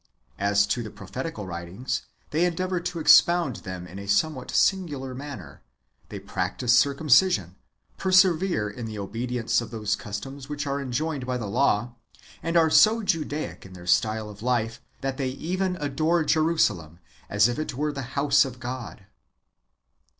As to the prophetical writings, they endeavour to expound them in a somewhat singular manner : they practise circumcision, persevere in the observance of those customs which are enjoined by the law, and are so Judaic in their style of life, that they even adore Jerusalem as if it were the house of God.